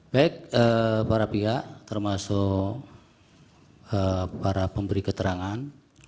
baik para pihak termasuk para pemberi keterangan